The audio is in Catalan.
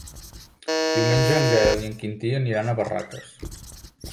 Diumenge en Gaël i en Quintí aniran a Barraques.